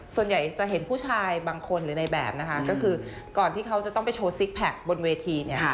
ส่วนใหญ่จะเห็นผู้ชายบางคนหรือในแบบนะคะก็คือก่อนที่เขาจะต้องไปโชว์ซิกแพคบนเวทีเนี่ย